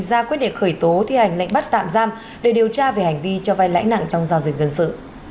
ra quyết định khởi tố thi hành lệnh bắt tạm giam để điều tra về hành vi cho vai lãnh nặng trong giao dịch dân sự